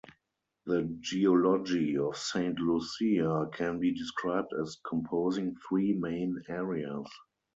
The geology of Saint Lucia can be described as composing three main areas.